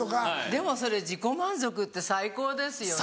でもそれ自己満足って最高ですよね。